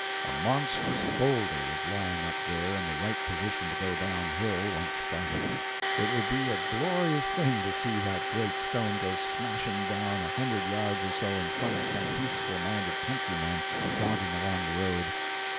A monstrous boulder was lying up there in the right position to go down hill, once started. It would be a glorious thing to see that great stone go smashing down a hundred yards or so in front of some peaceful minded countryman jogging along the road.